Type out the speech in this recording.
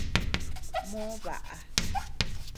Moo baʼa.